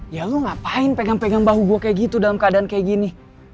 ya lo ngapain pegang pegang bahu gue kayak gitu dalam keadaan kayak gini